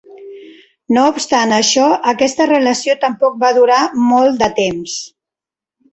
No obstant això, aquesta relació tampoc va durar molt de temps.